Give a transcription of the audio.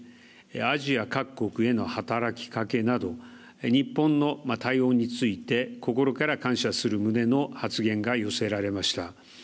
アジア各国への働きかけなど日本の対応について心から感謝する旨の発言が寄せられました。